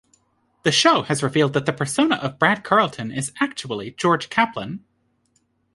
The show has revealed that the persona of "Brad Carlton" is actually "George Kaplan.